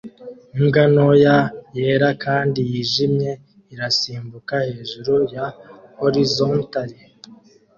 Imbwa ntoya yera kandi yijimye irasimbuka hejuru ya horizontal